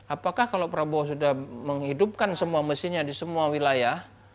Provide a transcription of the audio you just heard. apakah kalau prabowo sudah menghidupkan semua mesinnya di semua wilayah